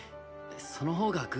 その方がグ。